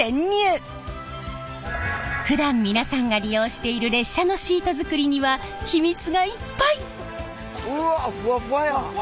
ふだん皆さんが利用している列車のシート作りにはヒミツがいっぱい！